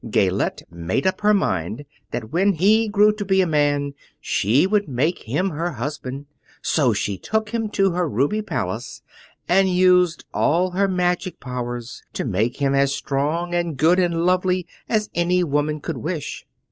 Gayelette made up her mind that when he grew to be a man she would make him her husband, so she took him to her ruby palace and used all her magic powers to make him as strong and good and lovely as any woman could wish.